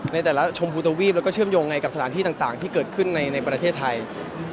ในแต่ละชมพูตวีปแล้วก็เชื่อมโยงไงกับสถานที่ต่างที่เกิดขึ้นในประเทศไทย